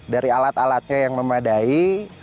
dari alat alatnya yang memadai